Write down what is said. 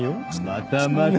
またまた。